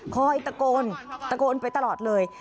คอยตะโกนตะโกนไปตลอดเลย